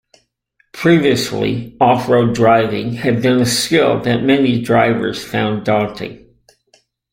Previously, off-road driving had been a skill that many drivers found daunting.